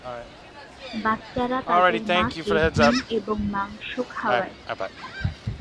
বাচ্চারা তাদের মাকে ডিম এবং মাংস খাওয়ায়।.